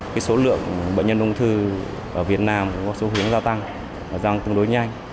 cái số lượng bệnh nhân ung thư ở việt nam có số hướng giao tăng giao tương đối nhanh